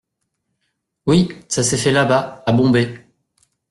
Oui, ça s’est fait là-bas, à Bombay.